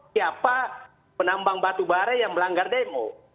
siapa penambang batu barak yang melanggar dmo